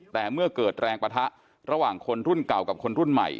แต่เมื่อเกิดแรงปะทะระหว่างคนรุ่นเก่ากับคนรุ่นใหม่